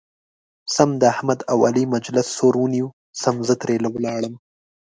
سم د احمد او علي مجلس سور ونیو سم زه ترې ولاړم.